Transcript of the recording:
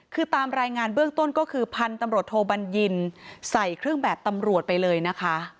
คือตามรายงานเบื้องต้นก็คือพันธุ์ตำรวจโทบัญญินใส่เครื่องแบบตำรวจไปเลยนะคะ